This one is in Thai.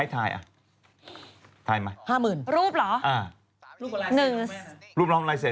เท่าไหร่ค่ะ